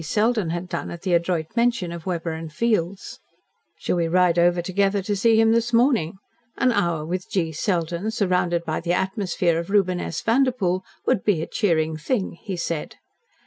Selden had done at the adroit mention of Weber & Fields. "Shall we ride over together to see him this morning? An hour with G. Selden, surrounded by the atmosphere of Reuben S. Vanderpoel, would be a cheering thing," he said.